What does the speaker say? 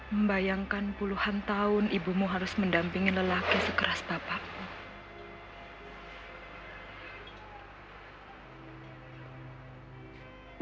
membayangkan puluhan tahun ibumu harus mendampingi lelaki sekeras bapak